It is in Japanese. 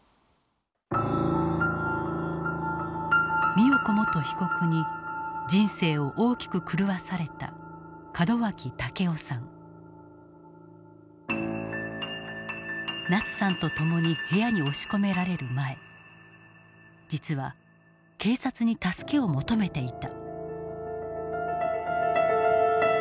美代子元被告に人生を大きく狂わされたナツさんと共に部屋に押し込められる前実は警察に助けを求めていた。